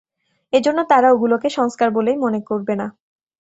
এজন্য তারা ওগুলোকে সংস্কার বলেই মনে করবে না।